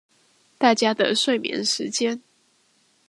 大家的睡眠時間